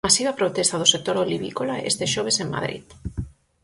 Masiva protesta do sector olivícola este xoves en Madrid.